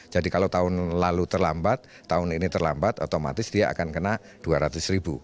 jadi kalau tahun lalu terlambat tahun ini terlambat otomatis dia akan kena dua ratus ribu